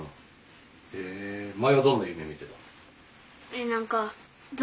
へえ前はどんな夢見てたの？